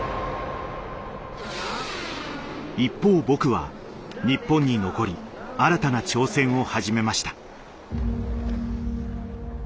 一方僕は日本に残り新たな挑戦を始めました。